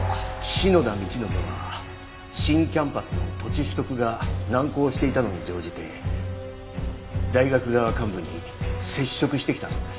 篠田道信は新キャンパスの土地取得が難航していたのに乗じて大学側幹部に接触してきたそうです。